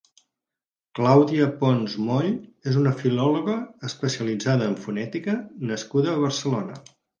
Clàudia Pons Moll és una filòloga especialitzada en fonètica nascuda a Barcelona.